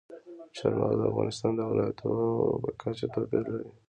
چار مغز د افغانستان د ولایاتو په کچه توپیر لري.